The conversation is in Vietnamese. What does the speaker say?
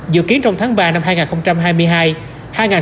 dự kiến trong tháng ba năm hai nghìn hai mươi hai